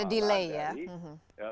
betul delaynya agak kelamaan sih mbak